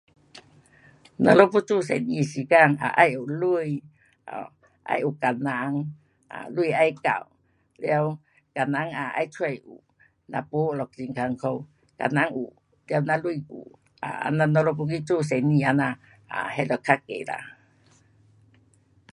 咱们要做生意时间 um 要有钱，um 要有工人，钱要够，了工人也要找有，若没就很困苦。工人有，了咱钱有，um 这样咱要去做生意这样 um 就较易啦